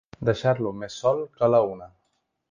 Deixar-lo més sol que la una.